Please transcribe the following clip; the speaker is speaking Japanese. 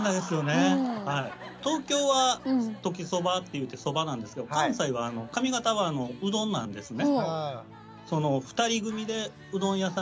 東京は「時そば」っていうてそばなんですけど関西は上方はうどんなんですね。